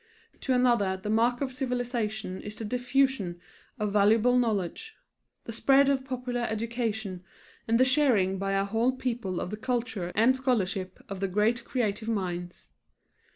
To another the mark of civilization is the diffusion of valuable knowledge, the spread of popular education, and the sharing by a whole people of the culture and scholarship of the great creative minds.